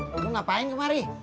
kamu ngapain kemari